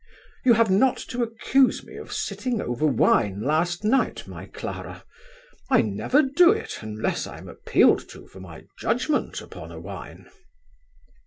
You have not to accuse me of sitting over wine last night, my Clara! I never do it, unless I am appealed to for my judgement upon a wine."